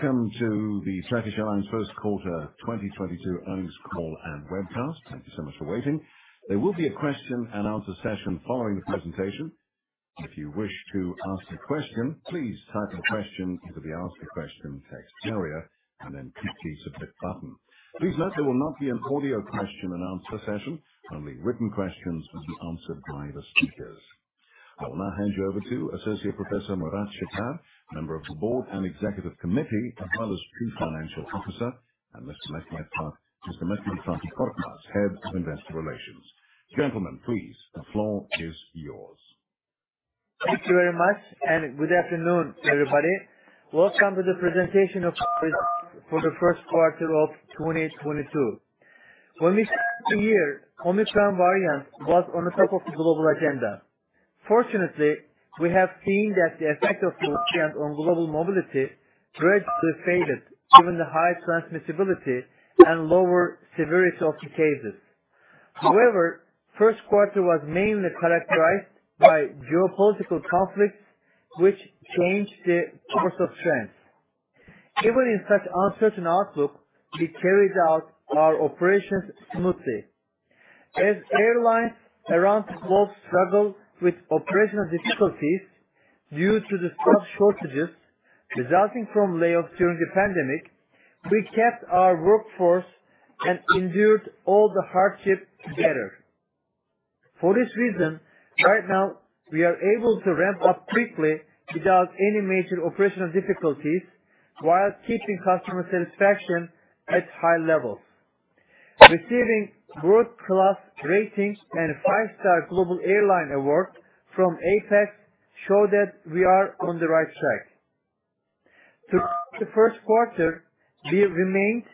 Welcome to the Turkish Airlines Q1 2022 earnings call and webcast. Thank you so much for waiting. There will be a question-and-answer session following the presentation. If you wish to ask a question, please type your question into the ask a question text area and then click the Submit button. Please note there will not be an audio question and answer session. Only written questions will be answered by the speakers. I will now hand you over to Associate Professor Murat Şeker, Member of the Board and Executive Committee, as well as Chief Financial Officer, and Mr. Mehmet Fatih Korkmaz, Head of Investor Relations. Gentlemen, please, the floor is yours. Thank you very much, and good afternoon, everybody. Welcome to the presentation of the results for Q1 of 2022. When the year, Omicron variant was on the top of the global agenda. Fortunately, we have seen that the effect of the variant on global mobility gradually faded, given the high transmissibility and lower severity of the cases. However, Q1 was mainly characterized by geopolitical conflicts, which changed the course of trends. Even in such uncertain outlook, we carried out our operations smoothly. As airlines around the globe struggle with operational difficulties due to the staff shortages resulting from layoffs during the pandemic, we kept our workforce and endured all the hardships together. For this reason, right now, we are able to ramp up quickly without any major operational difficulties while keeping customer satisfaction at high levels. Receiving world-class ratings and five-star global airline award from APEX show that we are on the right track. Through Q1, we remained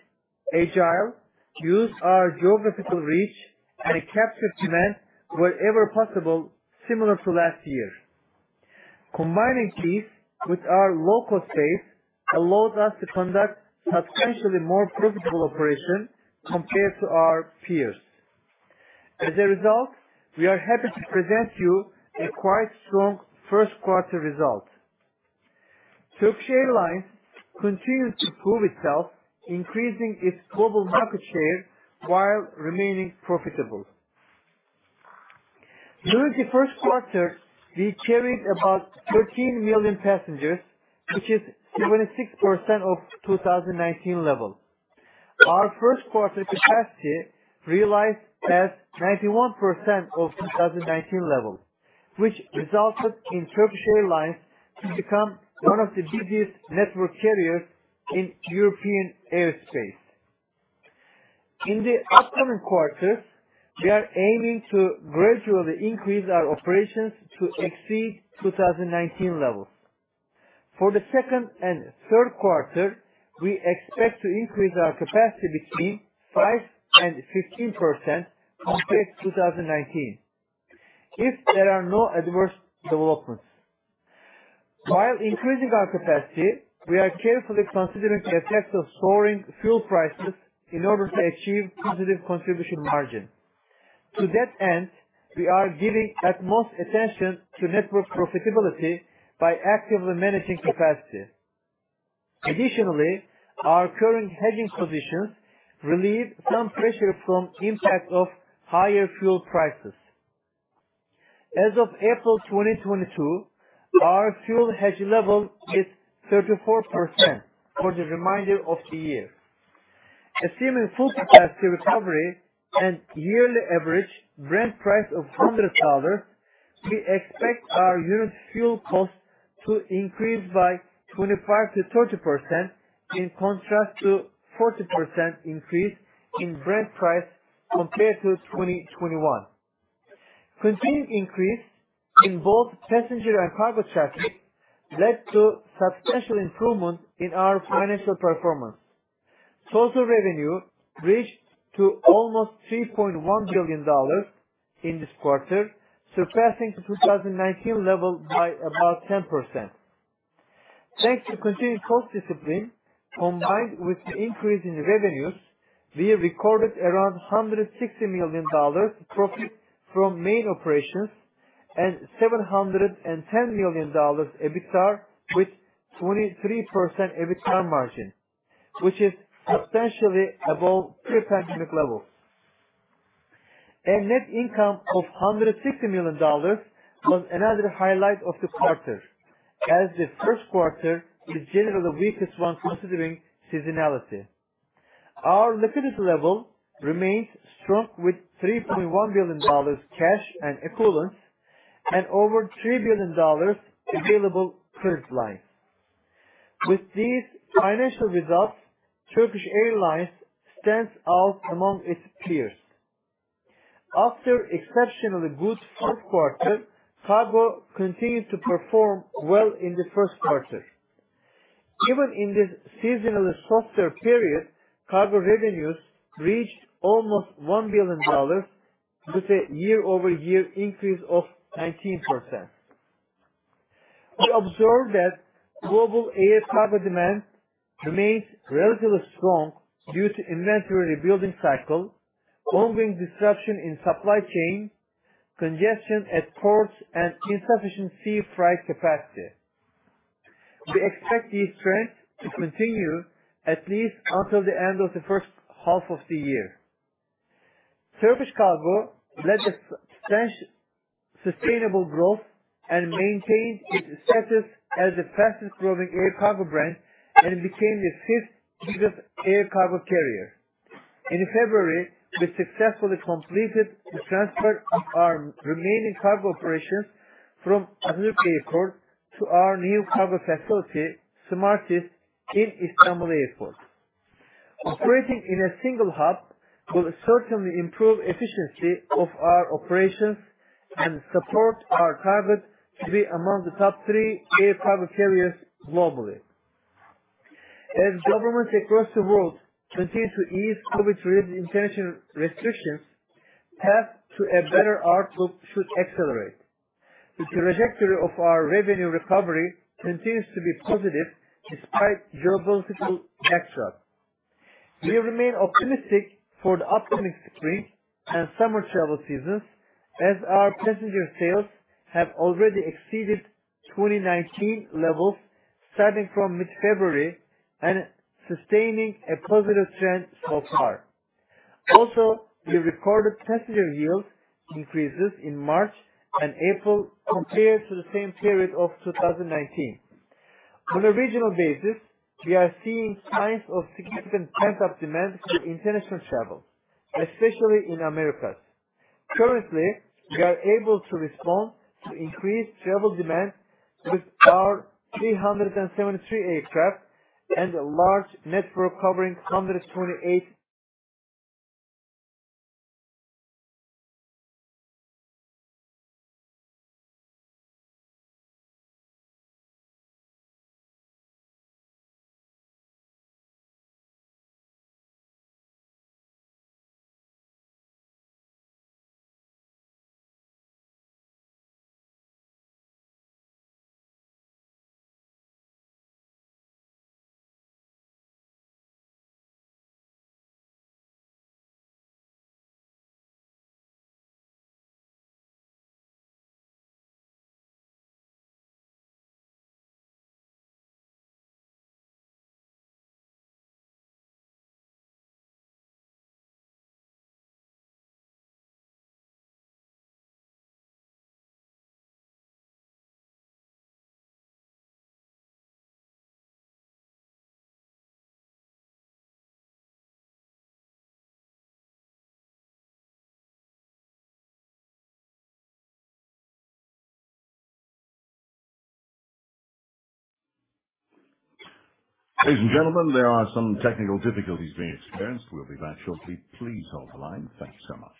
agile, used our geographical reach, and captured demand wherever possible, similar to last year. Combining these with our local space allows us to conduct substantially more profitable operation compared to our peers. As a result, we are happy to present you a quite strong Q1 result. Turkish Airlines continues to prove itself, increasing its global market share while remaining profitable. During Q1, we carried about 13 million passengers, which is 76% of 2019 level. Our Q1 capacity realized as 91% of 2019 level, which resulted in Turkish Airlines to become one of the biggest network carriers in European airspace. In the upcoming quarters, we are aiming to gradually increase our operations to exceed 2019 levels. For Q2 and Q3, we expect to increase our capacity between 5% and 15% compared to 2019 if there are no adverse developments. While increasing our capacity, we are carefully considering the effects of soaring fuel prices in order to achieve positive contribution margin. To that end, we are giving utmost attention to network profitability by actively managing capacity. Additionally, our current hedging positions relieve some pressure from impact of higher fuel prices. As of April 2022, our fuel hedge level is 34% for the remainder of the year. Assuming full capacity recovery and yearly average Brent price of $100, we expect our unit fuel costs to increase by 25%-30%, in contrast to 40% increase in Brent price compared to 2021. Continued increase in both passenger and cargo traffic led to substantial improvement in our financial performance. Total revenue reached to almost $3.1 billion in this quarter, surpassing 2019 level by about 10%. Thanks to continued cost discipline, combined with the increase in revenues, we have recorded around $160 million profit from main operations and $710 million EBITDA with 23% EBITDA margin, which is substantially above pre-pandemic levels. A net income of $160 million was another highlight of the quarter as Q1 is generally the weakest one considering seasonality. Our liquidity level remains strong with $3.1 billion cash and equivalents and over $3 billion available credit lines. With these financial results, Turkish Airlines stands out among its peers. After exceptionally good Q4, cargo continued to perform well in Q1. Even in this seasonally softer period, cargo revenues reached almost $1 billion with a year-over-year increase of 19%. We observed that global air cargo demand remains relatively strong due to inventory rebuilding cycle, ongoing disruption in supply chain congestion at ports and insufficient sea freight capacity. We expect these trends to continue at least until the end of H1 of the year. Turkish Cargo led the sustainable growth and maintained its status as the fastest growing air cargo brand, and it became the fifth biggest air cargo carrier. In February, we successfully completed the transfer of our remaining cargo operations from Istanbul Airport to our new cargo facility, SMARTIST, in Istanbul Airport. Operating in a single hub will certainly improve efficiency of our operations and support our target to be among the top three air cargo carriers globally. As governments across the world continue to ease COVID-19-related international restrictions, path to a better outlook should accelerate. The trajectory of our revenue recovery continues to be positive despite geopolitical backdrop. We remain optimistic for the upcoming spring and summer travel seasons as our passenger sales have already exceeded 2019 levels starting from mid-February and sustaining a positive trend so far. Also, we recorded passenger yield increases in March and April compared to the same period of 2019. On a regional basis, we are seeing signs of significant pent-up demand for international travel, especially in Americas. Currently, we are able to respond to increased travel demand with our 373 aircraft and a large network covering 128- Ladies and gentlemen, there are some technical difficulties being experienced. We'll be back shortly. Please hold the line. Thank you so much.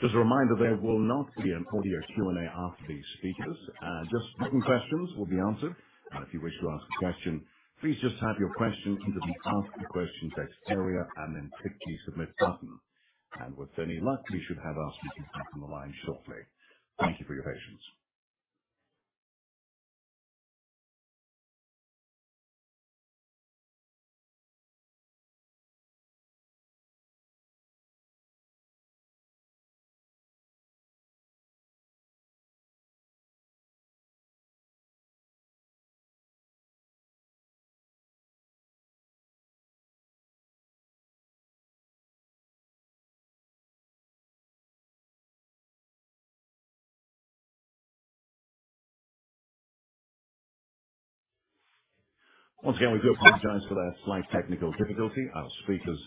Just a reminder, there will not be an audio Q&A after the speakers. Just written questions will be answered. If you wish to ask a question, please just type your question into the ask a question text area and then click the Submit button. With any luck, we should have our speakers back on the line shortly. Thank you for your patience. Once again, we do apologize for that slight technical difficulty. Our speakers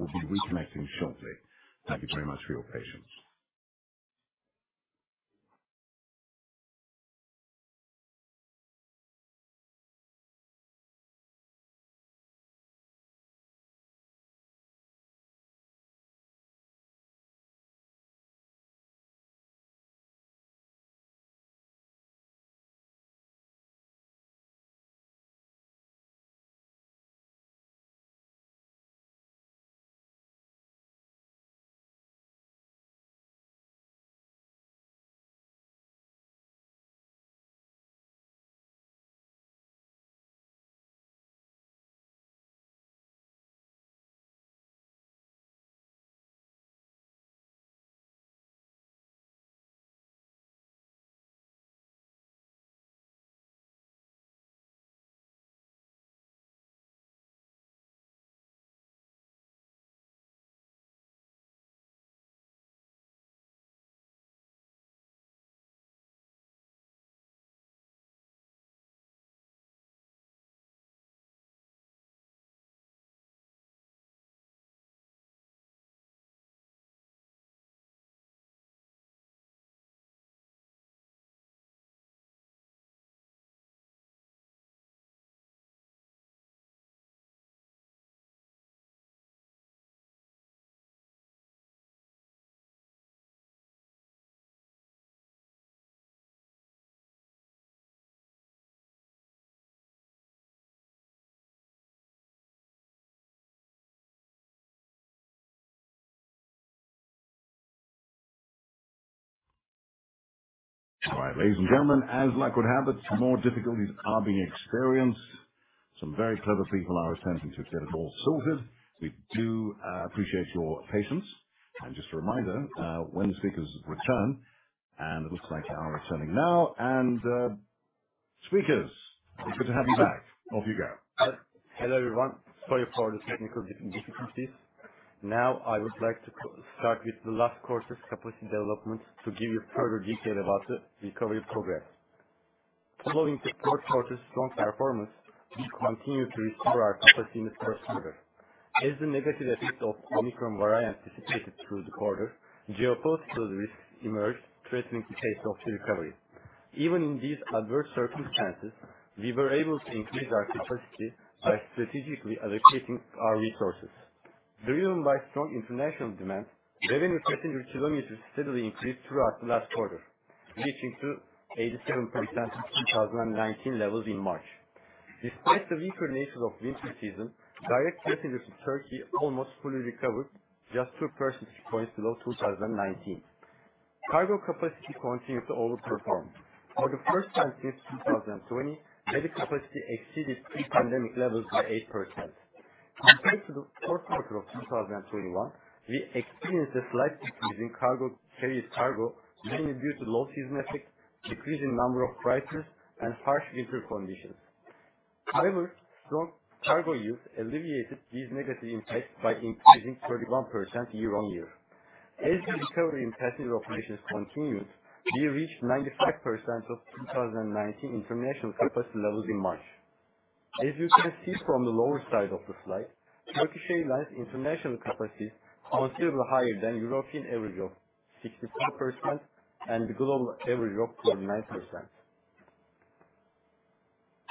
will be reconnecting shortly. Thank you very much for your patience. All right, ladies and gentlemen, as luck would have it, some more difficulties are being experienced. Some very clever people are attempting to get it all sorted. We do appreciate your patience. Just a reminder, when speakers return, and it looks like they are returning now. Speakers, it's good to have you back. Off you go. Hello, everyone. Sorry for the technical difficulties. Now I would like to start with the last quarter's capacity development to give you further detail about the recovery progress. Following Q4 strong performance, we continue to restore our capacity in Q1. As the negative effects of Omicron variant dissipated through the quarter, geopolitical risks emerged, threatening the pace of the recovery. Even in these adverse circumstances, we were able to increase our capacity by strategically allocating our resources. Driven by strong international demand, revenue passenger kilometers steadily increased throughout the last quarter, reaching to 87% of 2019 levels in March. Despite the weaker nature of winter season, direct passengers to Turkey almost fully recovered, just two percentage points below 2019. Cargo capacity continued to overperform. For the first time since 2020, cargo capacity exceeded pre-pandemic levels by 8%. Compared to Q4 of 2021, we experienced a slight decrease in cargo carried, mainly due to low season effect, decrease in number of pieces, and harsh winter conditions. However, strong cargo yield alleviated these negative impacts by increasing 31% year-on-year. As the recovery in passenger operations continued, we reached 95% of 2019 international capacity levels in March. As you can see from the lower side of the slide, Turkish Airlines international capacity considerably higher than European average of 64% and the global average of 49%.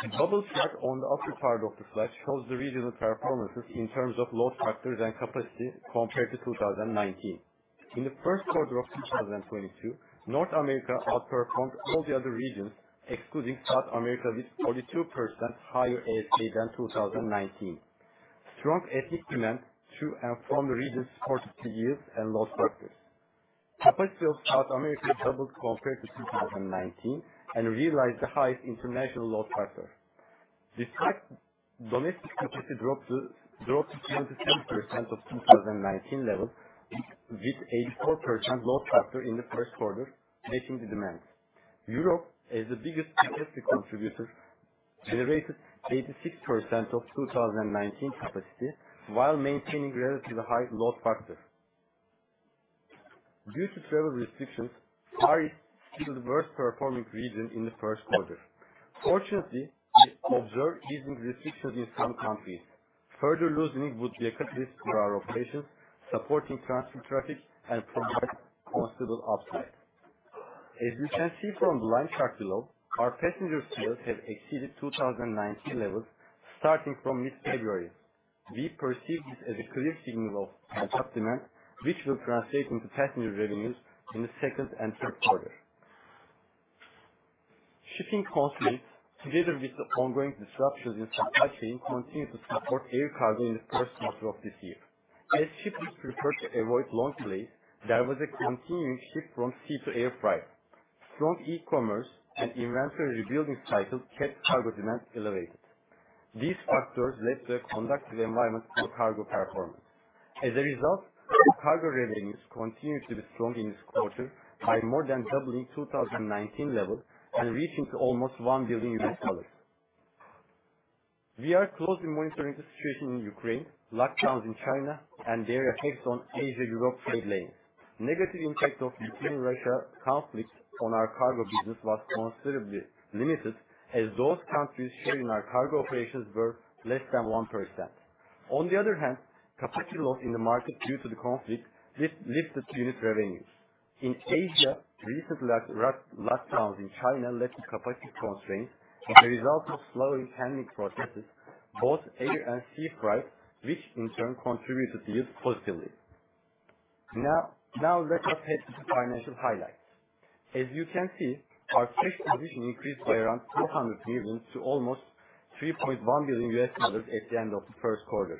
The bubble chart on the upper part of the slide shows the regional performances in terms of load factors and capacity compared to 2019. In Q1 of 2022, North America outperformed all the other regions, excluding South America with 42% higher ASK than 2019. Strong ASK demand to and from the regions supported the yields and load factors. Capacity of South America doubled compared to 2019 and realized the highest international load factor. Despite domestic capacity dropped to 77% of 2019 level, with 84% load factor in Q1, matching the demand. Europe, as the biggest capacity contributor, generated 86% of 2019 capacity while maintaining relatively high load factor. Due to travel restrictions, Asia is the worst performing region in Q1. Fortunately, we observe easing restrictions in some countries. Further loosening would be a catalyst for our operations, supporting transfer traffic and provide considerable upside. As you can see from the line chart below, our passenger yields have exceeded 2019 levels starting from mid-February. We perceive this as a clear signal of pent-up demand, which will translate into passenger revenues in the second and Q3. Shipping conflicts, together with the ongoing disruptions in supply chain, continue to support air cargo in Q1 of this year. As ships prefer to avoid long delays, there was a continuing shift from sea to air freight. Strong e-commerce and inventory rebuilding cycles kept cargo demand elevated. These factors led to a conducive environment for cargo performance. As a result, cargo revenues continued to be strong in this quarter by more than doubling 2019 level and reaching to almost $1 billion. We are closely monitoring the situation in Ukraine, lockdowns in China, and their effects on Asia-Europe trade lane. Negative impact of Ukraine-Russia conflict on our cargo business was considerably limited, as those countries sharing our cargo operations were less than 1%. On the other hand, capacity loss in the market due to the conflict resulted in restricted unit revenues. In Asia, recent lockdowns in China led to capacity constraints as a result of slowing handling processes, both air and sea freight, which in turn contributed to yields positively. Now let us head to the financial highlights. As you can see, our cash position increased by around $200 million to almost $3.1 billion at the end of the first quarter.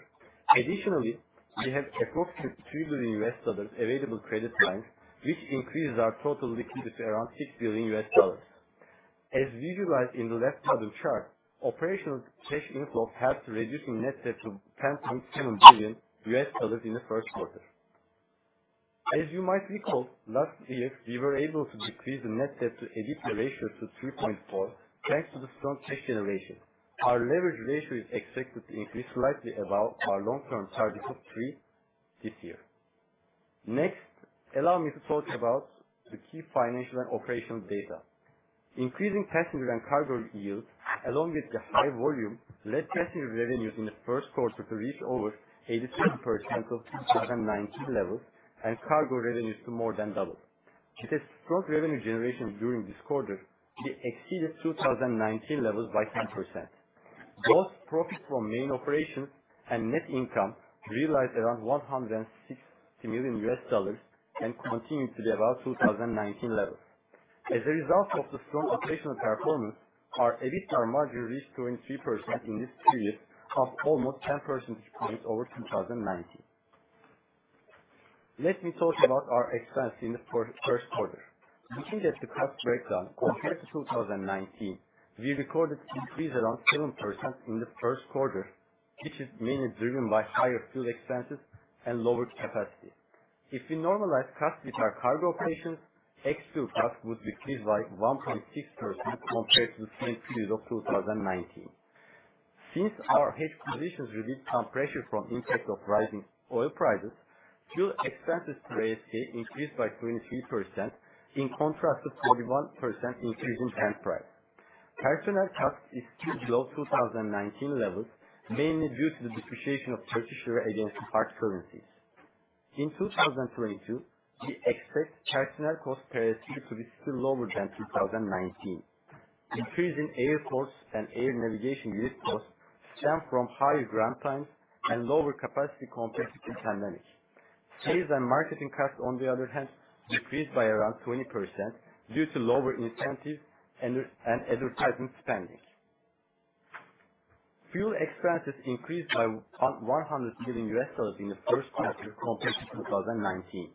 Additionally, we have approximately $3 billion available credit lines, which increase our total liquidity around $6 billion. As visualized in the left bottom chart, operational cash inflows helped reducing net debt to $10.7 billion in Q1. As you might recall, last year we were able to decrease the net debt to EBITDA ratio to 3.4, thanks to the strong cash generation. Our leverage ratio is expected to increase slightly above our long-term target of 3 this year. Next, allow me to talk about the key financial and operational data. Increasing passenger and cargo yield, along with the high volume, led passenger revenues in the first quarter to reach over 83% of 2019 levels, and cargo revenues to more than double. It is strong revenue generation during this quarter, we exceeded 2019 levels by 10%. Both profit from main operations and net income realized around $160 million and continued to be above 2019 levels. As a result of the strong operational performance, our EBITDA margin reached 23% in this period, up almost 10 percentage points over 2019. Let me talk about our expense in Q1. Looking at the cost breakdown compared to 2019, we recorded increase around 7% in Q1, which is mainly driven by higher fuel expenses and lower capacity. If we normalize costs with our cargo operations, ex-fuel cost would decrease by 1.6% compared to the same period of 2019. Since our hedge positions reduced some pressure from impact of rising oil prices, fuel expenses per ASK increased by 23% in contrast to 41% increase in fuel price. Personnel costs is still below 2019 levels, mainly due to the depreciation of Turkish lira against hard currencies. In 2022, we expect personnel cost per ASK to be still lower than 2019. Increase in airports and air navigation use costs stem from higher ground times and lower capacity compared to the pandemic. Sales and marketing costs, on the other hand, decreased by around 20% due to lower incentives and advertising spending. Fuel expenses increased by $100 million in the first quarter compared to 2019.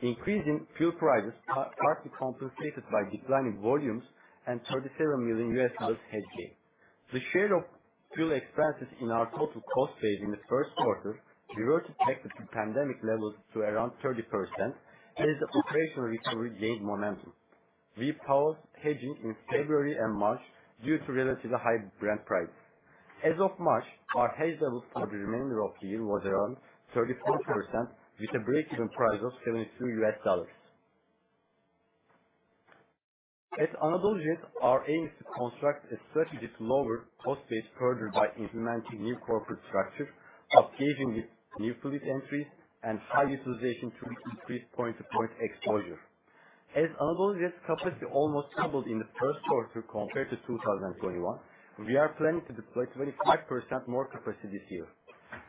Increase in fuel prices are partly compensated by declining volumes and $37 million hedge gain. The share of fuel expenses in our total cost base in Q1 reverted back to pre-pandemic levels to around 30% as the operational recovery gained momentum. We paused hedging in February and March due to relatively high Brent price. As of March, our hedge level for the remainder of the year was around 34% with a breakeven price of $72. At AnadoluJet, our aim is to construct a strategy to lower cost base further by implementing new corporate structure, up-gauging with new fleet entry and high utilization to increase point-to-point exposure. As AnadoluJet's capacity almost doubled in Q1 compared to 2021, we are planning to deploy 25% more capacity this year.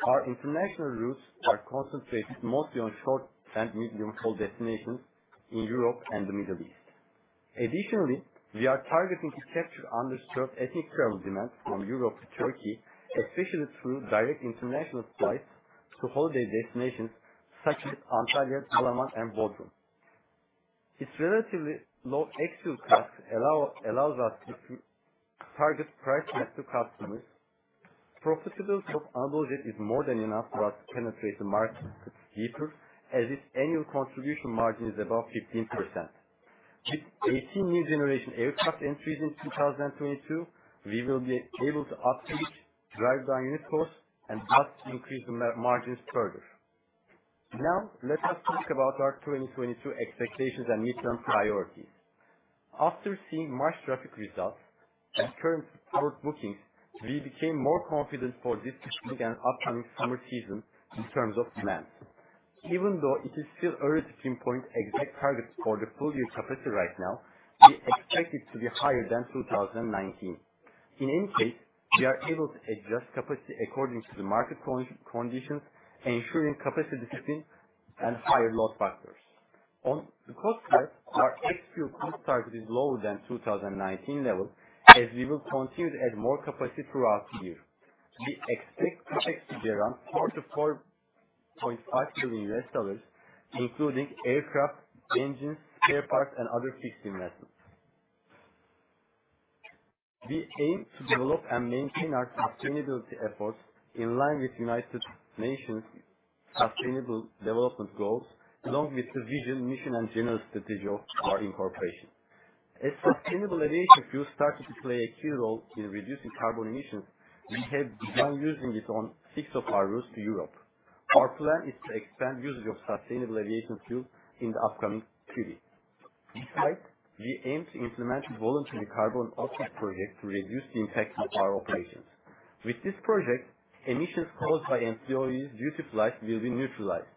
Our international routes are concentrated mostly on short and medium-haul destinations in Europe and the Middle East. We are targeting to capture underserved ethnic travel demands from Europe to Turkey, especially through direct international flights to holiday destinations such as Antalya, Dalaman, and Bodrum. Its relatively low ex-fuel costs allows us to target price-conscious customers. Profitability of AnadoluJet is more than enough for us to penetrate the market deeper, as its annual contribution margin is above 15%. With 18 new generation aircraft entries in 2022, we will be able to upgauge, drive down unit costs, and thus increase margins further. Now let us talk about our 2022 expectations and midterm priorities. After seeing March traffic results and current forward bookings, we became more confident for this spring and upcoming summer season in terms of demand. Even though it is still early to pinpoint exact targets for the full year capacity right now, we expect it to be higher than 2019. In any case, we are able to adjust capacity according to the market conditions, ensuring capacity discipline and higher load factors. On the cost side, our ex-fuel cost target is lower than 2019 levels as we will continue to add more capacity throughout the year. We expect CapEx to be around $4-$4.5 billion, including aircraft, engines, spare parts and other fixed investments. We aim to develop and maintain our sustainability efforts in line with United Nations Sustainable Development Goals, along with the vision, mission, and general strategy of our incorporation. As sustainable aviation fuel starts to play a key role in reducing carbon emissions, we have begun using it on six of our routes to Europe. Our plan is to expand usage of sustainable aviation fuel in the upcoming period. Besides, we aim to implement voluntary carbon offset project to reduce the impact of our operations. With this project, emissions caused by MCO's duty flights will be neutralized.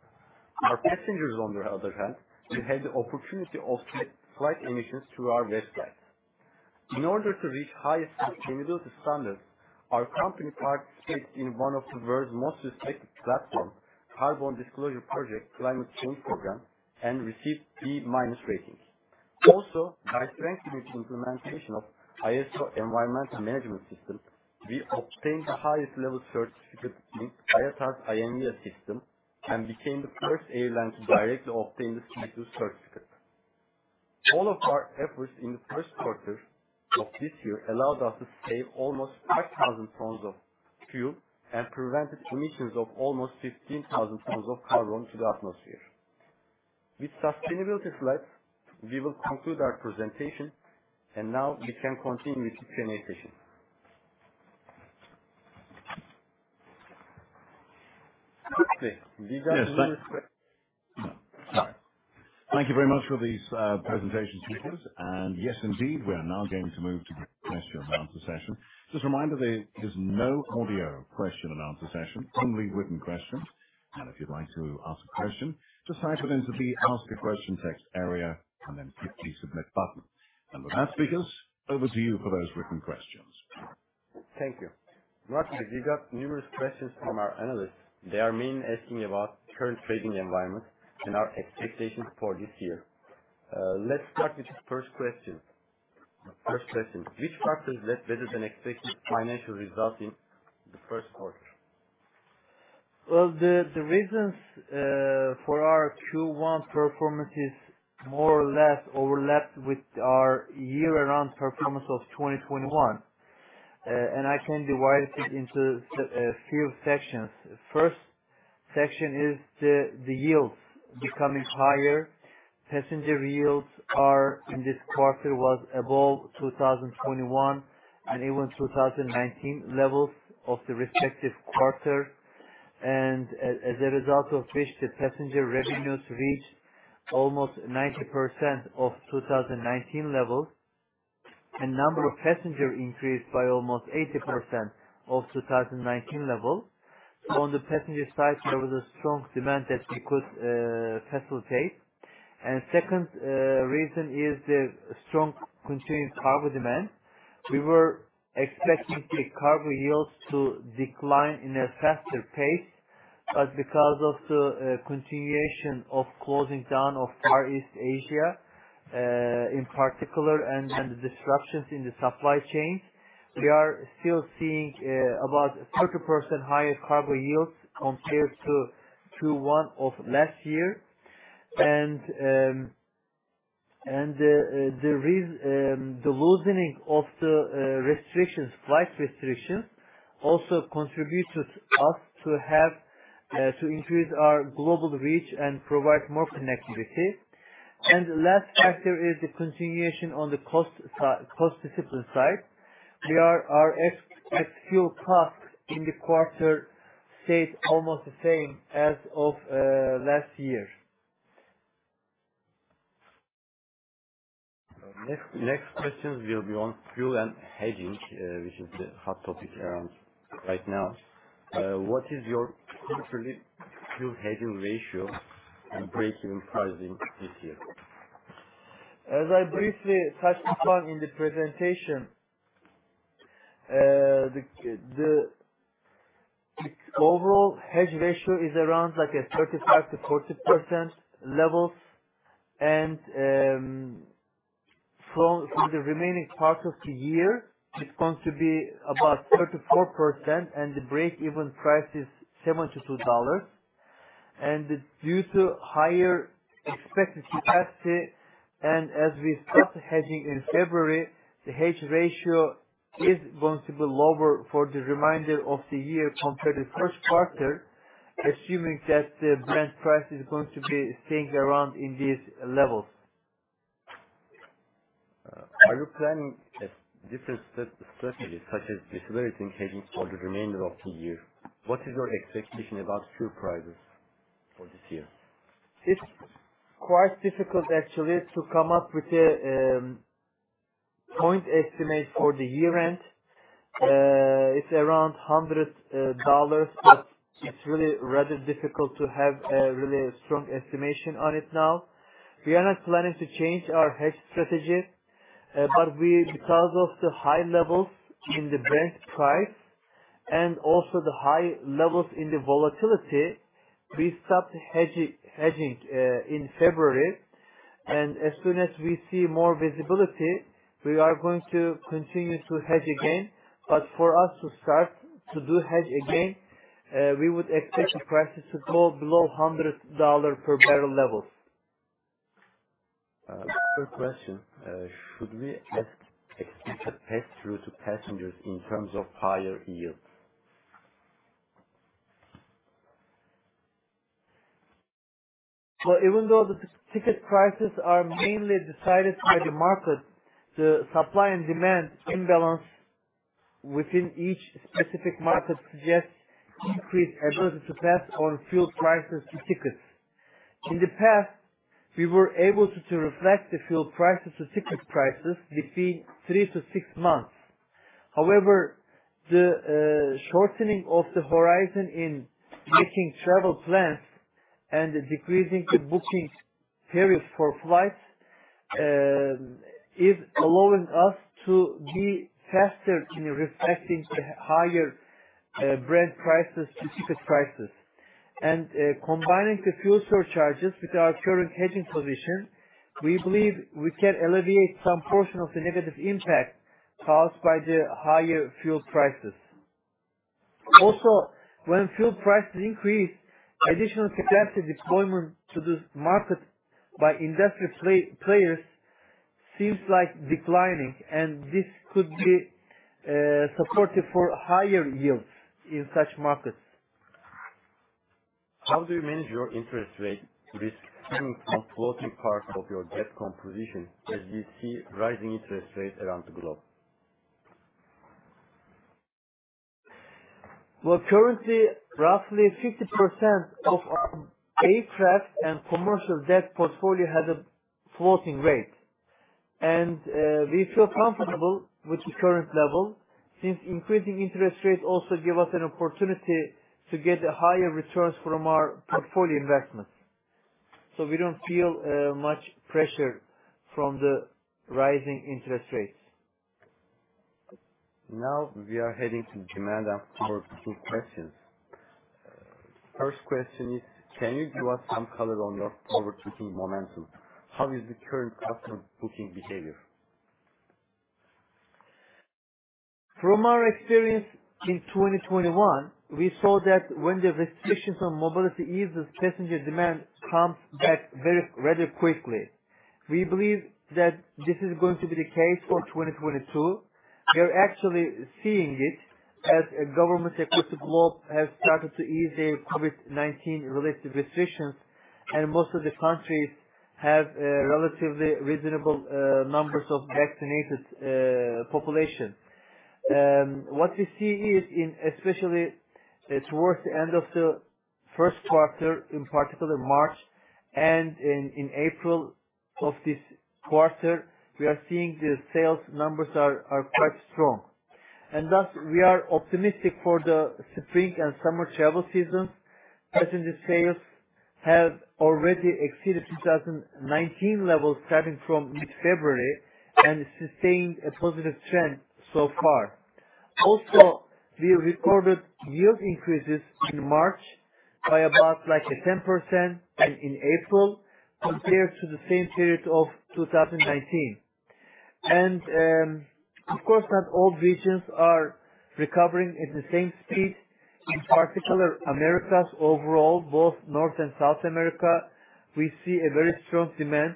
Our passengers on the other hand, will have the opportunity to offset flight emissions through our website. In order to reach highest sustainability standards, our company participates in one of the world's most respected platform, Carbon Disclosure Project Climate Change program, and received B- ratings. Also, by strengthening the implementation of ISO 14001 Environmental Management System, we obtained the highest level certificate in IATA's IEnvA system and became the first airline to directly obtain the C+ certificate. All of our efforts in Q1 of this year allowed us to save almost 5,000 tons of fuel and prevented emissions of almost 15,000 tons of carbon to the atmosphere. With sustainability flags, we will conclude our presentation, and now we can continue with Q&A session. Okay. Sorry. Thank you very much for these presentations, speakers. Yes, indeed, we're now going to move to the question and answer session. Just a reminder, there is no audio question and answer session, only written questions. If you'd like to ask a question, just type it into the Ask a Question text area and then click the Submit button. With that, speakers, over to you for those written questions. Thank you. Murat Şeker, we got numerous questions from our analysts. They are mainly asking about current trading environment and our expectations for this year. Let's start with the first question. First question, which factors led better-than-expected financial results in Q1? The reasons for our Q1 performance is more or less overlapped with our year-round performance of 2021. I can divide it into a few sections. First section is the yields becoming higher. Passenger yields in this quarter was above 2021, and even 2019 levels of the respective quarter. As a result of which the passenger revenues reached almost 90% of 2019 levels. Number of passenger increased by almost 80% of 2019 levels. On the passenger side, there was a strong demand that we could facilitate. Second reason is the strong continued cargo demand. We were expecting the cargo yields to decline at a faster pace, but because of the continuation of lockdowns in Far East Asia, in particular and the disruptions in the supply chains, we are still seeing about 30% higher cargo yields compared to two-one of last year. The loosening of the flight restrictions also contributed to us having to increase our global reach and provide more connectivity. The last factor is the continuation on the cost discipline side. Our actual costs in the quarter stayed almost the same as last year. Next question will be on fuel and hedging, which is the hot topic around right now. What is your anticipated fuel hedging ratio and breakeven pricing this year? As I briefly touched upon in the presentation, the overall hedge ratio is around like a 35%-40% levels. From the remaining part of the year, it's going to be about 34%, and the breakeven price is $72. Due to higher expected capacity, and as we start hedging in February, the hedge ratio is going to be lower for the remainder of the year compared to first quarter, assuming that the Brent price is going to be staying around in these levels. Are you planning a different strategy, such as severity in hedging for the remainder of the year? What is your expectation about fuel prices for this year? It's quite difficult actually to come up with a point estimate for the year-end. It's around $100, but it's really rather difficult to have a really strong estimation on it now. We are not planning to change our hedge strategy, but because of the high levels in the Brent price and also the high levels in the volatility, we stopped hedging in February. As soon as we see more visibility, we are going to continue to hedge again. For us to start to do hedge again, we would expect the prices to go below $100 per barrel levels. Third question. Should we expect pass-through to passengers in terms of higher yields? Well, even though the ticket prices are mainly decided by the market, the supply and demand imbalance within each specific market suggests increased ability to pass on fuel prices to tickets. In the past, we were able to reflect the fuel prices to ticket prices between 3-6 months. However, the shortening of the horizon in making travel plans and decreasing the booking period for flights is allowing us to be faster in reflecting the higher Brent prices to ticket prices. Combining the fuel surcharges with our current hedging position, we believe we can alleviate some portion of the negative impact caused by the higher fuel prices. Also, when fuel prices increase, additional capacity deployment to this market by industry players seems like declining, and this could be supportive for higher yields in such markets. How do you manage your interest rate risk stemming from floating parts of your debt composition as we see rising interest rates around the globe? Well, currently roughly 50% of our EETC and commercial debt portfolio has a floating rate. We feel comfortable with the current level since increasing interest rates also give us an opportunity to get higher returns from our portfolio investments. We don't feel much pressure from the rising interest rates. Now we are heading to demand and for two questions. First question is, can you give us some color on your overbooking momentum? How is the current customer booking behavior? From our experience in 2021, we saw that when the restrictions on mobility eases, passenger demand comes back very rather quickly. We believe that this is going to be the case for 2022. We are actually seeing it as governments across the globe have started to ease their COVID-19 related restrictions, and most of the countries have relatively reasonable numbers of vaccinated population. What we see is especially towards the end of Q1, in particular March and in April of this quarter, we are seeing the sales numbers are quite strong. Thus we are optimistic for the spring and summer travel season. Passenger sales have already exceeded 2019 levels starting from mid-February and sustained a positive trend so far. We recorded yield increases in March by about like a 10% in April compared to the same period of 2019. Of course, not all regions are recovering at the same speed. In particular, Americas overall, both North and South America, we see a very strong demand.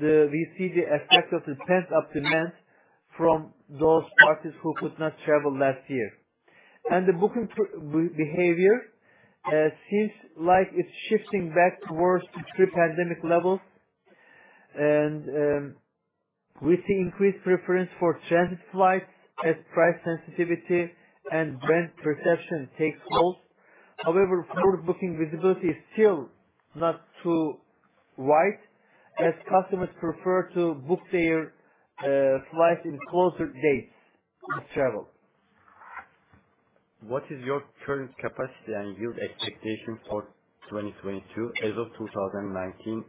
We see the effect of the pent-up demand from those parties who could not travel last year. The booking behavior seems like it's shifting back towards pre-pandemic levels. We see increased preference for transit flights as price sensitivity and brand perception takes hold. However, forward booking visibility is still not too wide as customers prefer to book their flights in closer dates to travel. What is your current capacity and yield expectation for 2022 as of 2019?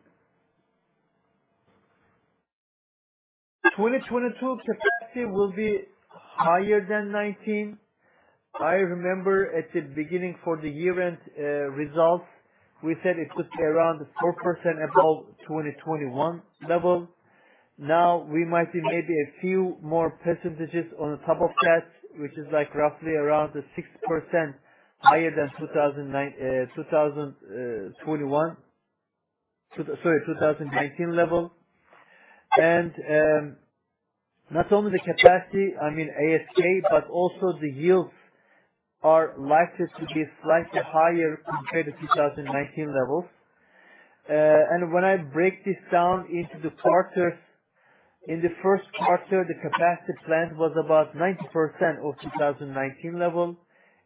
2022 capacity will be higher than 2019. I remember at the beginning of the year-end results, we said it could be around 4% above 2021 level. Now we might be maybe a few more percentages on top of that, which is like roughly around the 6% higher than 2019. Not only the capacity, I mean ASK, but also the yields are likely to be slightly higher compared to 2019 levels. When I break this down into the quarters, in the first quarter, the capacity plan was about 90% of 2019 level.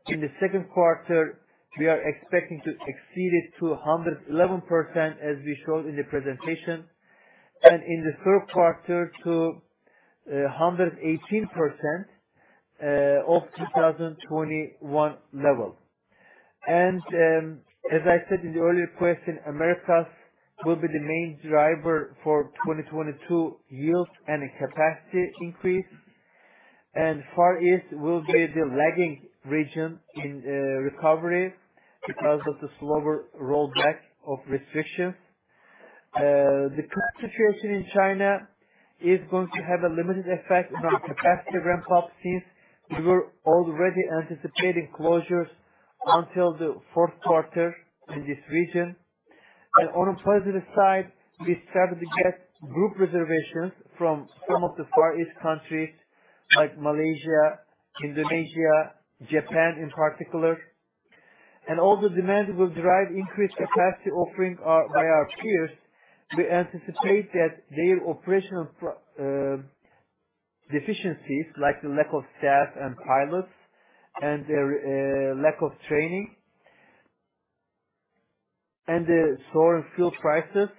In Q2, we are expecting to exceed it to 111%, as we showed in the presentation. In Q3 to 118% of 2021 level. As I said in the earlier question, Americas will be the main driver for 2022 yields and capacity increase. Far East will be the lagging region in recovery because of the slower rollback of restrictions. The current situation in China is going to have a limited effect on our capacity ramp up since we were already anticipating closures until Q4 in this region. On a positive side, we started to get group reservations from some of the Far East countries like Malaysia, Indonesia, Japan in particular. All the demand will drive increased capacity offering by our peers. We anticipate that their operational deficiencies, like the lack of staff and pilots and their lack of training and the soaring fuel prices,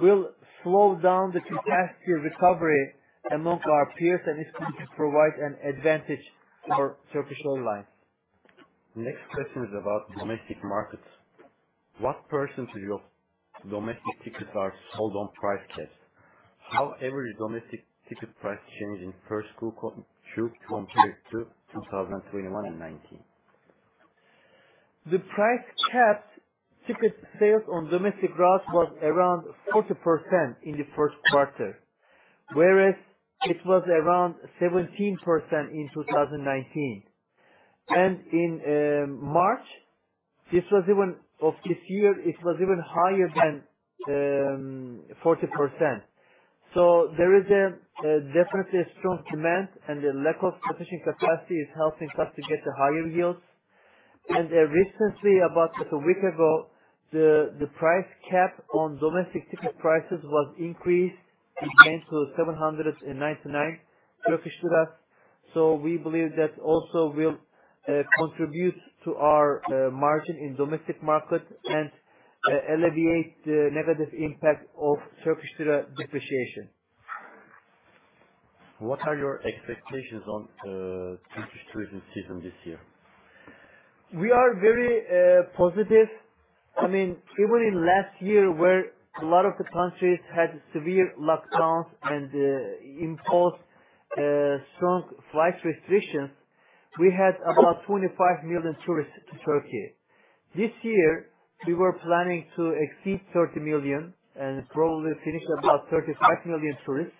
will slow down the capacity recovery among our peers and is going to provide an advantage for Turkish Airlines. Next question is about domestic markets. What percentage of domestic tickets are sold on price caps? How did the average domestic ticket price change in first quarter compared to 2021 and 2019. The price cap on ticket sales on domestic routes was around 40% in Q1, whereas it was around 17% in 2019. In March of this year, it was even higher than 40%. There is definitely a strong demand, and the lack of competition capacity is helping us to get the higher yields. Recently, about a week ago, the price cap on domestic ticket prices was increased. It came to 799. We believe that also will contribute to our margin in domestic market and alleviate the negative impact of Turkish lira depreciation. What are your expectations on Turkish tourism season this year? We are very positive. I mean, even in last year where a lot of the countries had severe lockdowns and imposed strong flight restrictions, we had about 25 million tourists to Turkey. This year we were planning to exceed 30 million and probably finish about 35 million tourists.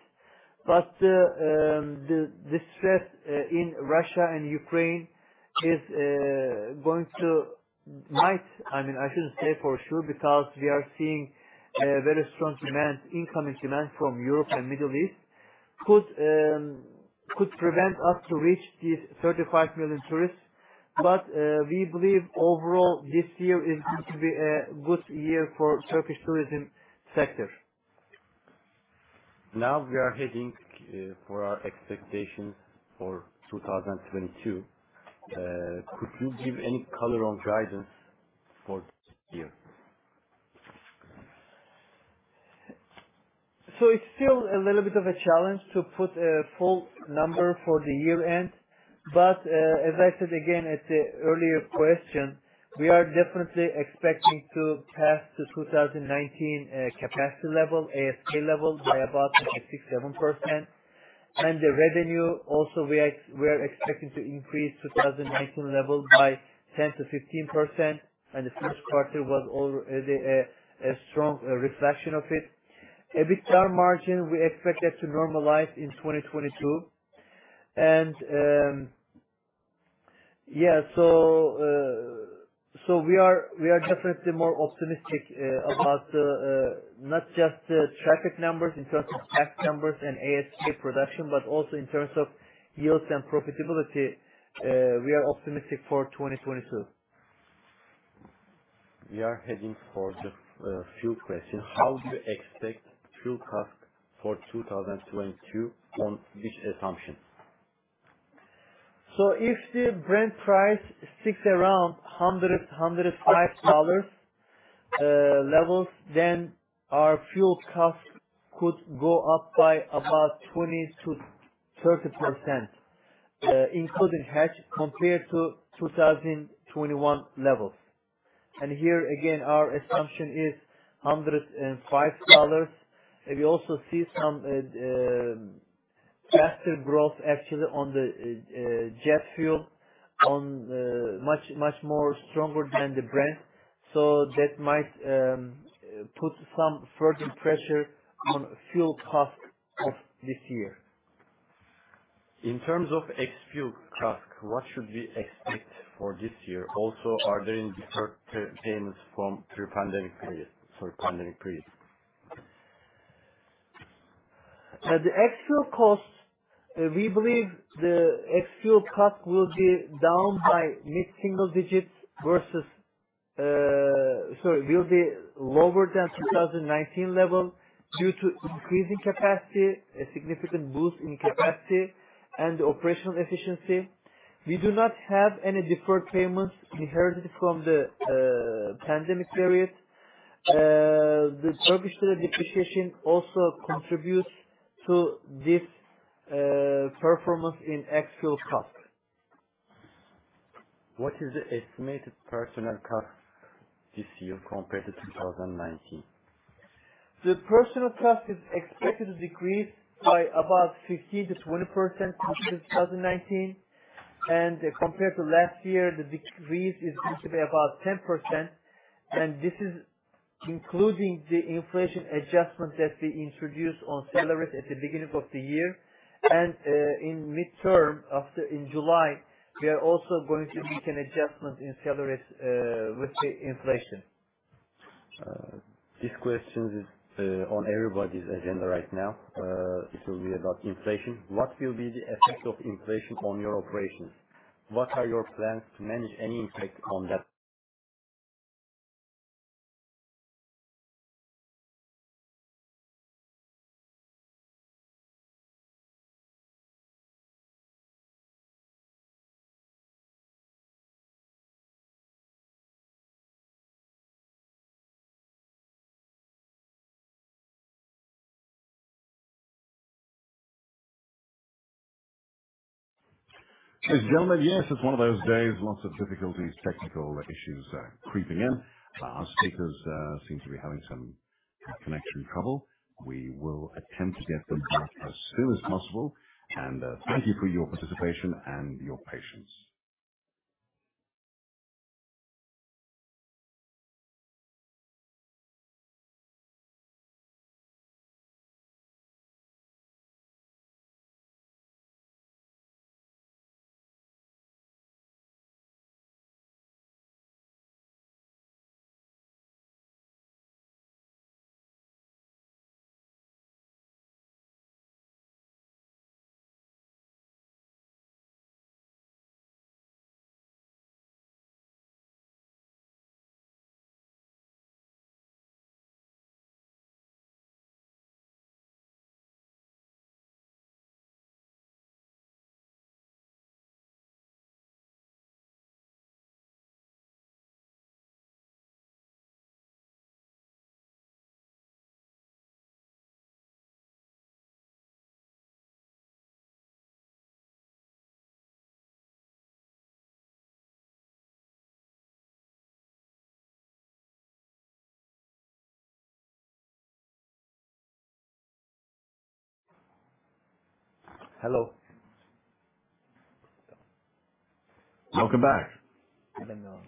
The stress in Russia and Ukraine might. I mean, I shouldn't say for sure because we are seeing a very strong demand, incoming demand from Europe and Middle East could prevent us to reach these 35 million tourists. We believe overall this year is going to be a good year for Turkish tourism sector. Now we are heading for our expectations for 2022. Could you give any color on guidance for this year? It's still a little bit of a challenge to put a full number for the year end. As I said again at the earlier question, we are definitely expecting to pass the 2019 capacity level, ASK level by about 57%. The revenue also we are expecting to increase 2019 level by 10%-15%. Q1 was a strong reflection of it. EBITDA margin, we expect that to normalize in 2022. We are definitely more optimistic about not just the traffic numbers in terms of passenger numbers and ASK production, but also in terms of yields and profitability. We are optimistic for 2022. We are heading for the fuel question. How do you expect fuel cost for 2022 on which assumptions? If the Brent price sticks around $100-$105 levels, then our fuel cost could go up by about 20%-30%, including hedge compared to 2021 levels. Our assumption is $105. We also see some faster growth actually on the jet fuel on much more stronger than the Brent. That might put some further pressure on fuel cost of this year. In terms of ex-fuel cost, what should we expect for this year? Also, are there any deferred payments from the pandemic period? At the ex-fuel cost, we believe the ex-fuel cost will be lower than 2019 level due to increasing capacity, a significant boost in capacity, and operational efficiency. We do not have any deferred payments inherited from the pandemic period. The Turkish lira depreciation also contributes to this performance in ex-fuel cost. What is the estimated personnel cost this year compared to 2019? The personnel cost is expected to decrease by about 15%-20% compared to 2019. Compared to last year, the decrease is going to be about 10%. This is including the inflation adjustment that we introduced on salaries at the beginning of the year. In midterm after in July, we are also going to make an adjustment in salaries with the inflation. This question is on everybody's agenda right now. It will be about inflation. What will be the effect of inflation on your operations? What are your plans to manage any impact on that? Ladies and gentlemen, yes, it's one of those days, lots of difficulties, technical issues, creeping in. Our speakers seem to be having some connection trouble. We will attempt to get them back as soon as possible. Thank you for your participation and your patience. Hello. Welcome back. Hello, everyone.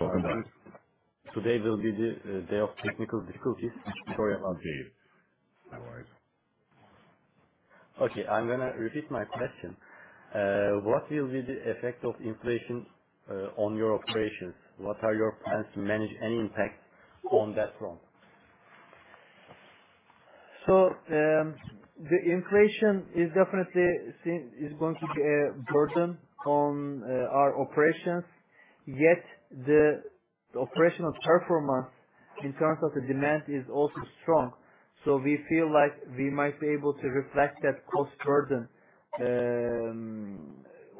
Welcome back. Today will be the day of technical difficulties. Sorry about it. No worries. Okay, I'm gonna repeat my question. What will be the effect of inflation on your operations? What are your plans to manage any impact on that front? The inflation is definitely going to be a burden on our operations. Yet, the operational performance in terms of the demand is also strong. We feel like we might be able to reflect that cost burden,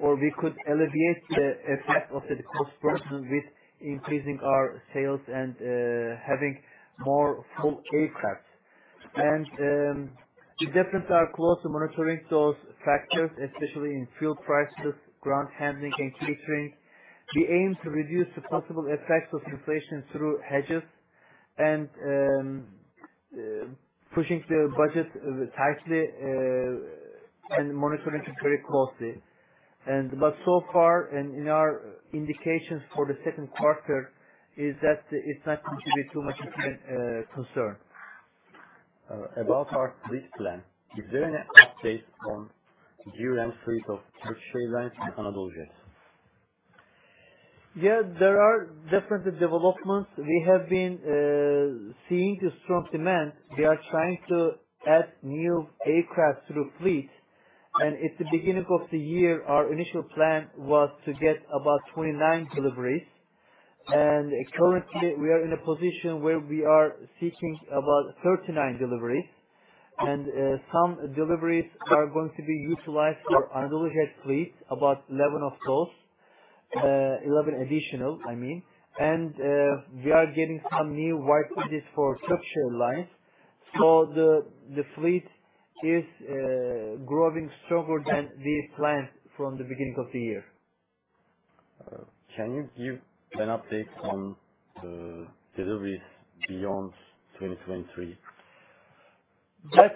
or we could alleviate the effect of the cost burden with increasing our sales and having more full aircraft. We definitely are closely monitoring those factors, especially in fuel prices, ground handling and catering. We aim to reduce the possible effects of inflation through hedges and pushing the budget tightly and monitoring it very closely. In our indications for Q2, it is not going to be too much of a concern. About our fleet plan. Is there any update on new entries of Turkish Airlines and AnadoluJet? Yeah, there are definitely developments. We have been seeing the strong demand. We are trying to add new aircraft to the fleet. At the beginning of the year, our initial plan was to get about 29 deliveries. Currently, we are in a position where we are seeking about 39 deliveries. Some deliveries are going to be utilized for AnadoluJet fleet, about 11 of those, 11 additional, I mean. We are getting some new wide bodies for Turkish Airlines. The fleet is growing stronger than we planned from the beginning of the year. Can you give an update on the deliveries beyond 2023? That's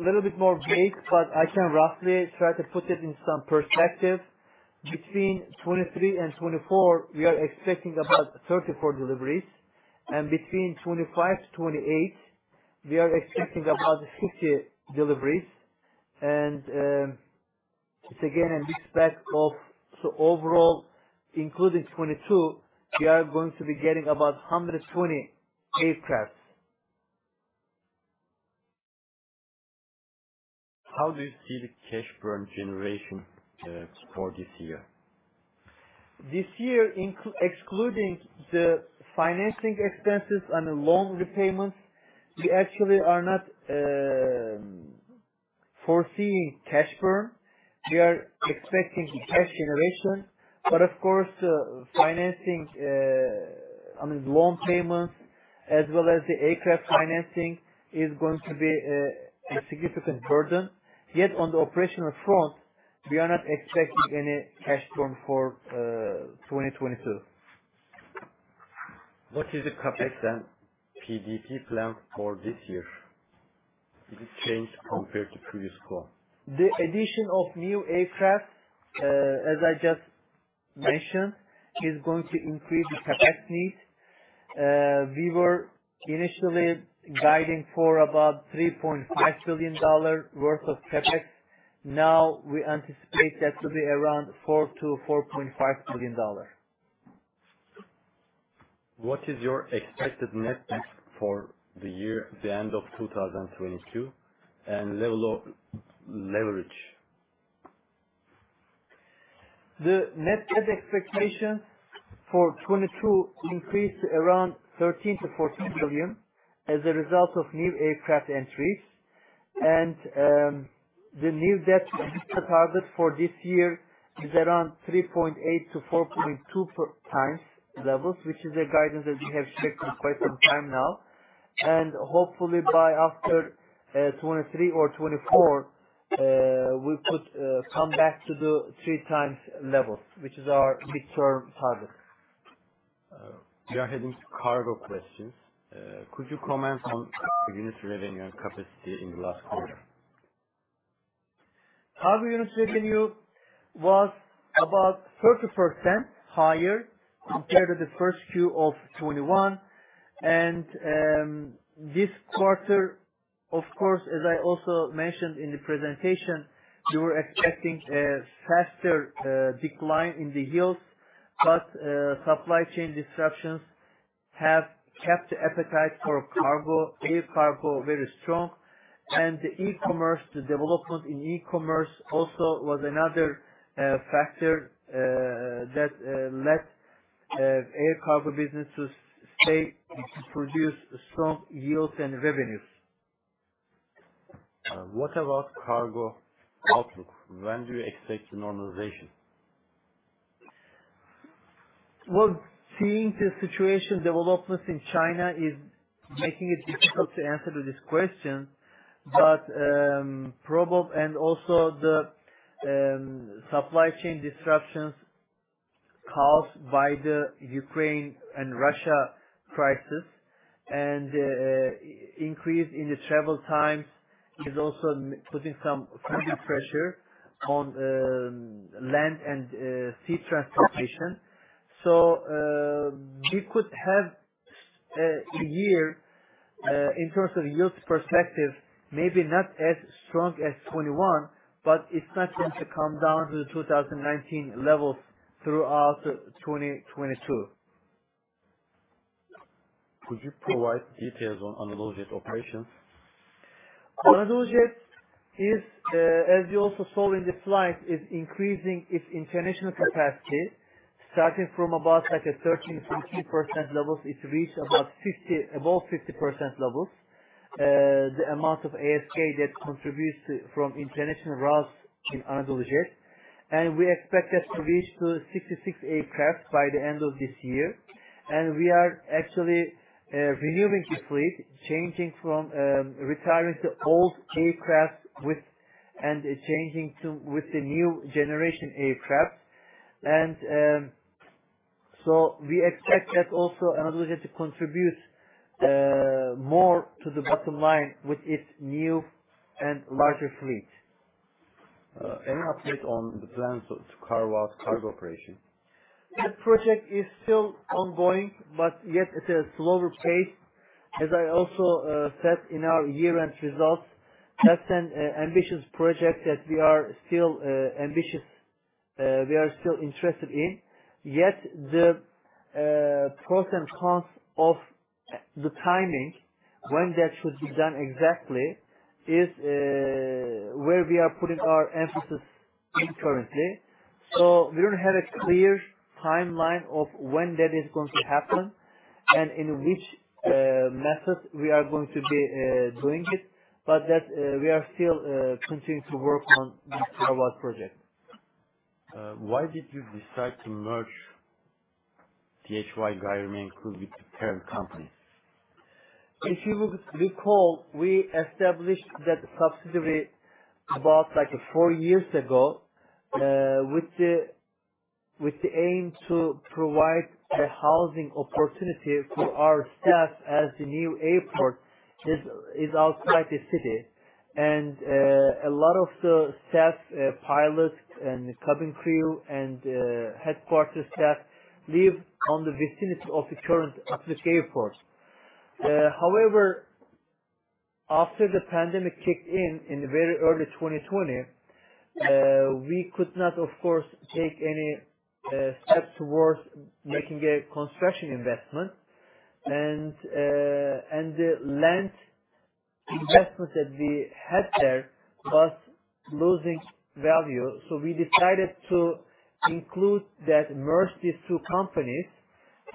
a little bit more vague, but I can roughly try to put it in some perspective. Between 2023 and 2024, we are expecting about 34 deliveries. Between 2025 to 2028, we are expecting about 50 deliveries. Overall, including 2022, we are going to be getting about 120 aircraft. How do you see the cash burn generation for this year? This year, excluding the financing expenses and the loan repayments, we actually are not foreseeing cash burn. We are expecting cash generation. Of course, financing, I mean, loan payments as well as the aircraft financing is going to be a significant burden. Yet on the operational front, we are not expecting any cash burn for 2022. What is the CapEx and PDP plan for this year? Has it changed compared to previous call? The addition of new aircraft, as I just mentioned, is going to increase the CapEx needs. We were initially guiding for about $3.5 billion worth of CapEx. Now we anticipate that to be around $4-$4.5 billion. What is your expected net debt for the year, the end of 2022, and level of leverage? The net debt expectation for 2022 increased around $13-$14 billion as a result of new aircraft entries. The new debt net target for this year is around 3.8-4.2 times levels, which is a guidance that we have taken quite some time now. Hopefully by after 2023 or 2024, we could come back to the 3 times level, which is our midterm target. We are heading to cargo questions. Could you comment on unit revenue and capacity in the last quarter? Cargo unit revenue was about 30% higher compared to the first Q of 2021. This quarter, of course, as I also mentioned in the presentation, we were expecting a faster decline in the yields. Supply chain disruptions have kept appetite for cargo, air cargo, very strong. The e-commerce, the development in e-commerce also was another factor that led air cargo businesses produce strong yields and revenues. What about cargo outlook? When do you expect normalization? Well, seeing the situation developments in China is making it difficult to answer to this question. Supply chain disruptions caused by the Ukraine and Russia crisis and increase in the travel times is also putting some funding pressure on land and sea transportation. We could have a year in terms of yields perspective, maybe not as strong as 2021, but it's not going to come down to the 2019 levels throughout 2022. Could you provide details on AnadoluJet operations? AnadoluJet is, as you also saw in the slides, increasing its international capacity, starting from about a 13%-20% levels. It reached about 50, above 50% levels. The amount of ASK that contributes from international routes in AnadoluJet. We expect that to reach to 66 aircraft by the end of this year. We are actually renewing the fleet, retiring the old aircraft and changing to the new generation aircraft. We expect that also AnadoluJet to contribute more to the bottom line with its new and larger fleet. Any update on the plans of carve-out cargo operation? That project is still ongoing, but yet it's at a slower pace. As I also said in our year-end results, that's an ambitious project that we are still interested in. Yet the pros and cons of the timing, when that should be done exactly, is where we are putting our emphasis on, currently. We don't have a clear timeline of when that is going to happen and in which method we are going to be doing it. That we are still continuing to work on this carve-out project. Why did you decide to merge THY Gayrimenkul with the parent company? If you would recall, we established that subsidiary about like four years ago with the aim to provide a housing opportunity to our staff as the new airport is outside the city. A lot of the staff, pilots and cabin crew and headquarters staff live in the vicinity of the current Atatürk Airport. However, after the pandemic kicked in in very early 2020, we could not, of course, take any steps towards making a construction investment. The land investment that we had there was losing value, so we decided to include that, merge these two companies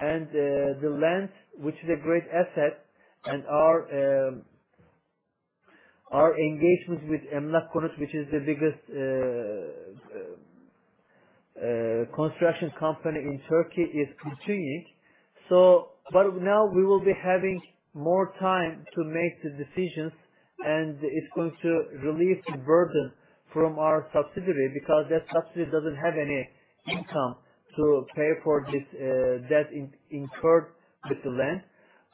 and the land, which is a great asset, and our engagements with Emlak Konut, which is the biggest construction company in Turkey, is continuing. Now we will be having more time to make the decisions, and it's going to relieve the burden from our subsidiary because that subsidiary doesn't have any income to pay for this debt incurred with the land.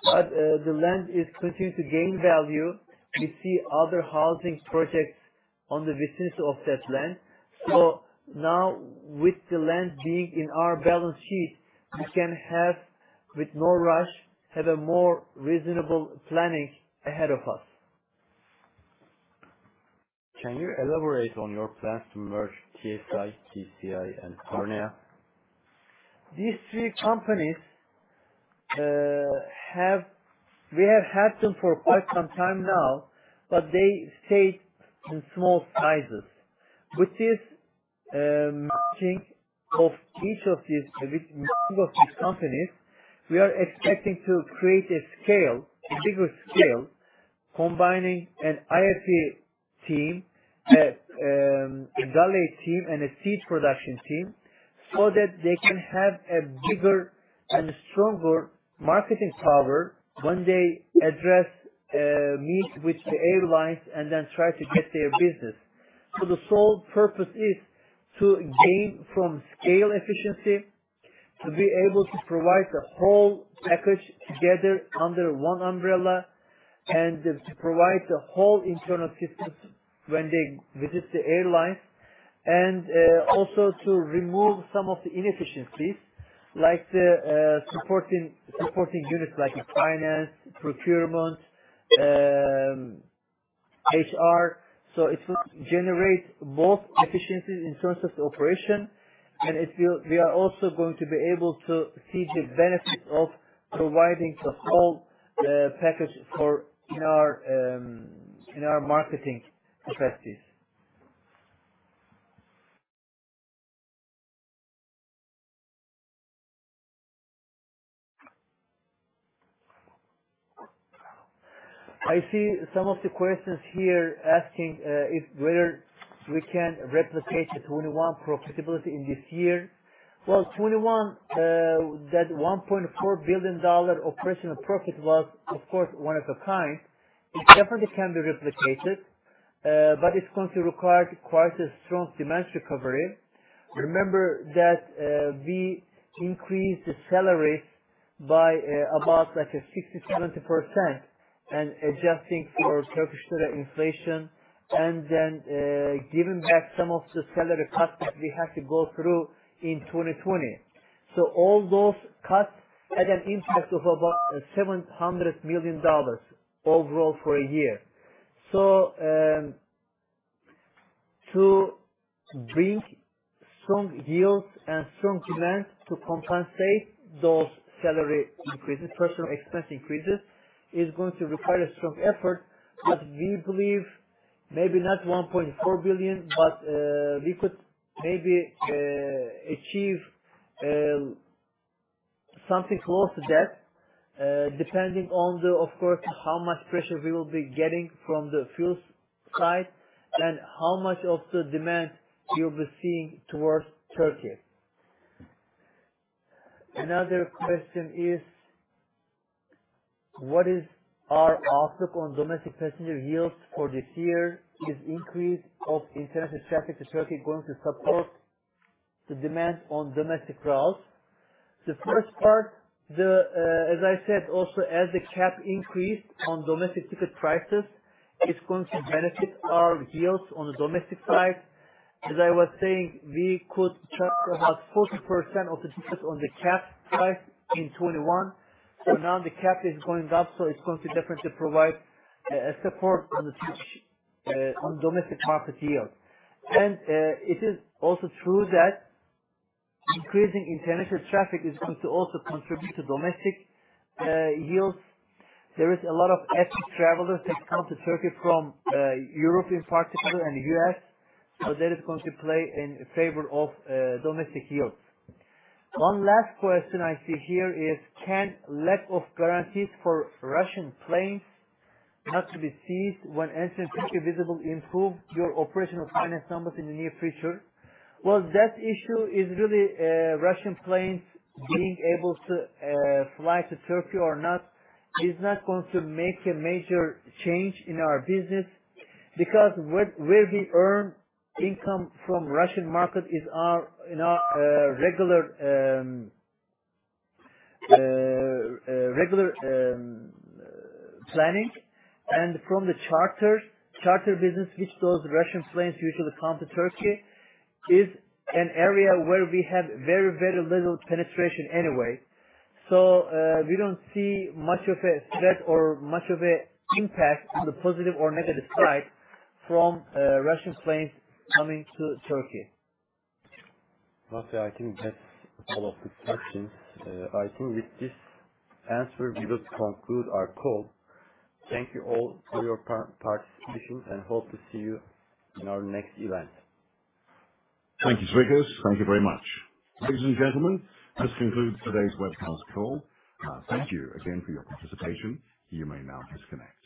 The land is continuing to gain value. We see other housing projects in the vicinity of that land. With the land being in our balance sheet, we can have, with no rush, a more reasonable planning ahead of us. Can you elaborate on your plans to merge TSI, TCI and Cornea Aero Systems? These three companies, we have had them for quite some time now, but they stayed in small sizes. With this, merging of each of these, with merging of these companies, we are expecting to create a scale, a bigger scale, combining an IFE team, a galley team, and a seat production team, so that they can have a bigger and stronger marketing power when they address, meet with the airlines and then try to get their business. So the sole purpose is to gain from scale efficiency, to be able to provide the whole package together under one umbrella and to provide the whole internal systems when they visit the airlines. Also to remove some of the inefficiencies like the supporting units like finance, procurement, HR. It will generate both efficiencies in terms of the operation, and it will. We are also going to be able to see the benefit of providing the whole package for our marketing strategies. I see some of the questions here asking whether we can replicate the 2021 profitability in this year. Well, 2021, that $1.4 billion operational profit was of course one of a kind. It definitely can be replicated, but it's going to require quite a strong demand recovery. Remember that, we increased the salary by about like a 60%-70% and adjusting for Turkish lira inflation and then, giving back some of the salary cuts that we had to go through in 2020. All those cuts had an impact of about $700 million overall for a year. To bring strong yields and strong demand to compensate those salary increases, personnel expense increases, is going to require a strong effort. We believe maybe not 1.4 billion, but we could maybe achieve something close to that, depending on the, of course, how much pressure we will be getting from the fuel side and how much of the demand we'll be seeing towards Turkey. Another question is. What is our outlook on domestic passenger yields for this year? Is increase of international traffic to Turkey going to support the demand on domestic routes? The first part, the, as I said, also as the cap increase on domestic ticket prices is going to benefit our yields on the domestic side. As I was saying, we could charge about 40% of the ticket on the cap side in 2021. Now the cap is going up, so it's going to definitely provide support on the domestic market yield. It is also true that increasing international traffic is going to also contribute to domestic yields. There is a lot of ethnic travelers that come to Turkey from Europe in particular and U.S. That is going to play in favor of domestic yields. One last question I see here is. Can lack of guarantees for Russian planes not to be seized when entering Turkey visibly improve your operational financial numbers in the near future? Well, that issue is really Russian planes being able to fly to Turkey or not is not going to make a major change in our business because where we earn income from Russian market is our in our regular planning. From the charter business which those Russian planes usually come to Turkey is an area where we have very, very little penetration anyway. We don't see much of a threat or much of a impact on the positive or negative side from Russian planes coming to Turkey. Murat Şeker, I think that's all of the questions. I think with this answer, we would conclude our call. Thank you all for your participation, and hope to see you in our next event. Thank you. Thank you very much. Ladies and gentlemen, this concludes today's webcast call. Thank you again for your participation. You may now disconnect.